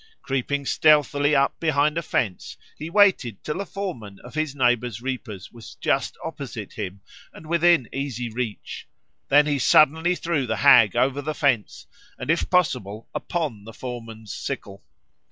Creeping stealthily up behind a fence he waited till the foreman of his neighbour's reapers was just opposite him and within easy reach. Then he suddenly threw the Hag over the fence and, if possible, upon the foreman's sickle.